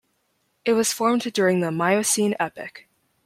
It was formed during the Miocene epoch.